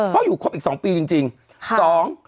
เพราะอยู่ครบอีก๒ปีจริง